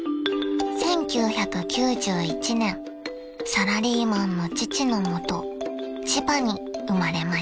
［サラリーマンの父のもと千葉に生まれました］